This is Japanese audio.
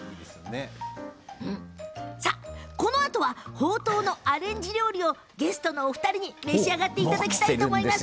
このあとは、ほうとうのアレンジ料理をゲストのお二人に召し上がっていただきます。